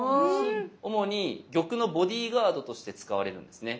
主に玉のボディガードとして使われるんですね。